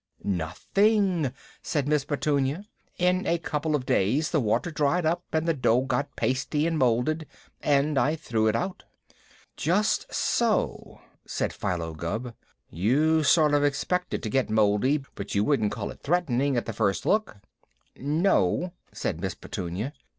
"Nothing," said Miss Petunia. "In a couple of days the water dried up and the dough got pasty and moulded, and I threw it out." "Just so!" said Philo Gubb. "You'd sort of expect it to get mouldy, but you wouldn't call it threatening at the first look." "No," said Miss Petunia.